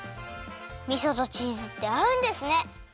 みそとチーズってあうんですね！